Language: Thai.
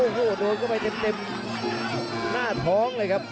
โอ้โหโดนเข้าไปเต็มหน้าท้องเลยครับ